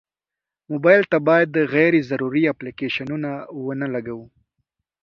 موبایل ته باید غیر ضروري اپلیکیشنونه ونه لګوو.